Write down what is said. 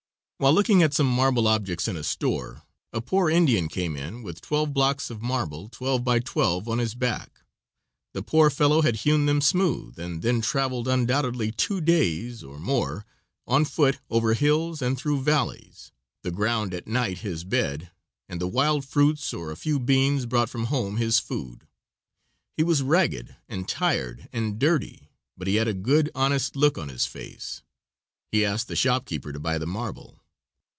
While looking at some marble objects in a store a poor Indian came in with twelve blocks of marble twelve by twelve on his back; the poor fellow had hewn them smooth and then traveled undoubtedly two days or more on foot over hills and through valleys, the ground at night his bed and the wild fruits or a few beans brought from home his food. He was ragged and tired, and dirty, but he had a good, honest look on his face, he asked the shopkeeper to buy the marble.